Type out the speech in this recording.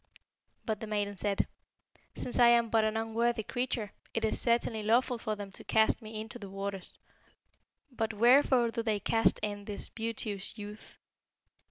But the maiden said, 'Since I am but an unworthy creature, it is certainly lawful for them to cast me into the waters; but wherefore do they cast in this beauteous youth?'